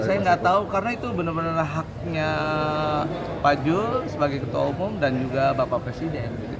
saya gak tau karena itu bener bener haknya pak jules sebagai ketua umum dan juga bapak presiden